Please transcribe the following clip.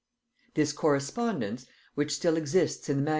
This correspondence, which still exists in MS.